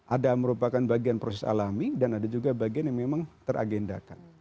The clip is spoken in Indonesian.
ada merupakan bagian proses alami dan ada juga bagian yang memang teragendakan